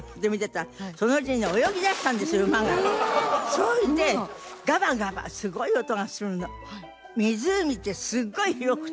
それでガバガバすごい音がするの。